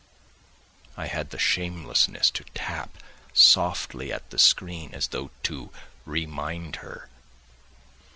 I had the shamelessness to tap softly at the screen as though to remind her....